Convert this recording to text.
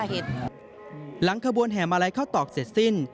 ขบวนแห่มาลัยเข้าตอกเสร็จสิ้น